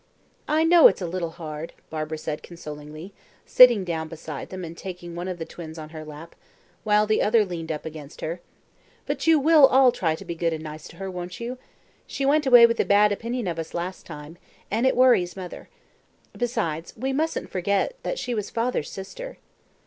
"I know it's a little hard," Barbara said consolingly, sitting down beside them and taking one of the twins on her lap, while the other leaned up against her. "But you will all try to be good and nice to her, won't you? She went away with a bad opinion of us last time, and it worries mother. Besides, we mustn't forget that she was father's sister."